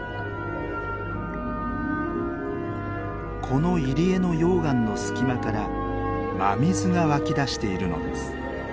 この入り江の溶岩の隙間から真水が湧き出しているのです。